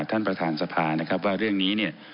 ท่านประธานสภานะครับว่าเรื่องนี้เนี่ย